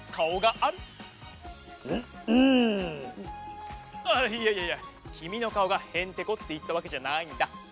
ああいやいやいやきみのかおがヘンテコっていったわけじゃないんだ。